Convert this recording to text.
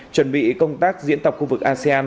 chuẩn bị công tác diễn tập khu vực asean